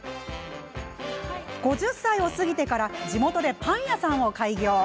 ５０歳を過ぎてから地元でパン屋さんを開業。